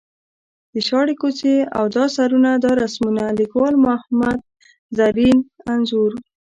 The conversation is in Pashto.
شاړې کوڅې او دا سرونه دا رسمونه ـ لیکوال محمد زرین انځور.